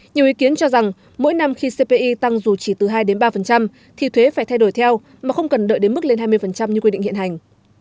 nhiều ý kiến cho rằng mỗi năm khi cpi tăng dù chỉ từ hai ba thì thuế phải thay đổi theo mà không cần đợi đến mức lên hai mươi như quy định hiện hành